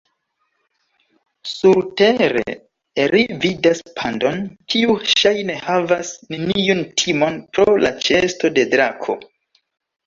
Surtere, ri vidas pandon, kiu ŝajne havas neniun timon pro la ĉeesto de drako.